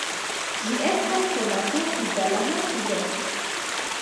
Ĝi estas konata pri bela naturo.